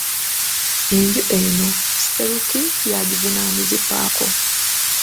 Enju eno, Sseruti y'agivunaanyizibwako.